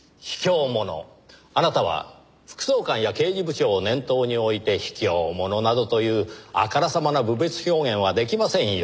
あなたは副総監や刑事部長を念頭に置いて「卑怯者」などというあからさまな侮蔑表現は出来ませんよ。